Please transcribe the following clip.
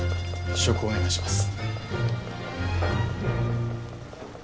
試食をお願いします。